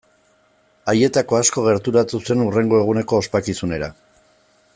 Haietako asko gerturatu zen hurrengo eguneko ospakizunera.